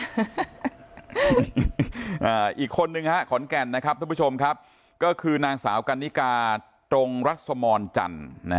อีกคนนึงฮะขอนแก่นนะครับทุกผู้ชมครับก็คือนางสาวกันนิกาตรงรัศมรจันทร์